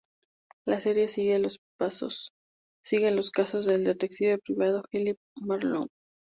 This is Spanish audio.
La serie sigue los casos del detective privado Philip Marlowe.